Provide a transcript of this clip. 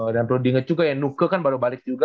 dan terus denger juga ya nuka kan baru balik juga